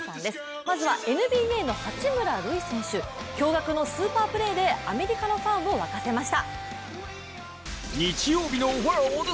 まずはＮＢＡの八村塁選手、驚がくのスーパープレーでアメリカのファンを沸かせました。